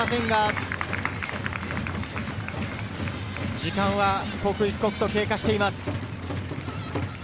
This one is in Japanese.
時間が刻一刻と経過しています。